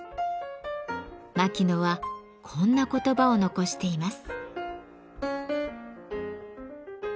牧野はこんな言葉を残しています。